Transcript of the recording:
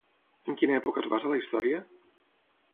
En quina època es basa la història?